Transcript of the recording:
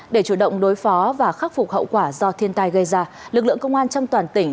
để chủ động đối phó và khắc phục hậu quả do thiên tai gây ra lực lượng công an trong toàn tỉnh